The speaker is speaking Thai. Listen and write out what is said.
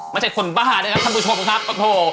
ไม่ใช่คนบ้านะครับท่านผู้ชมครับโอ้โห